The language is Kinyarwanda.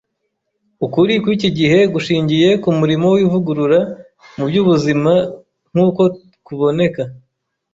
Ukuri kw’iki gihe gushingiye ku murimo w’ivugurura mu by’ubuzima nk’uko kuboneka